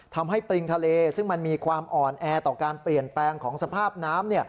ปริงทะเลซึ่งมันมีความอ่อนแอต่อการเปลี่ยนแปลงของสภาพน้ำ